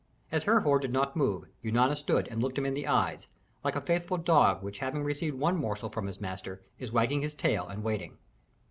As Herhor did not move, Eunana stood and looked him in the eyes, like a faithful dog which having received one morsel from his master is wagging his tail and waiting.